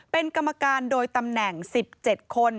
เป็นกรรมการโดยตำแหน่ง๑๗คน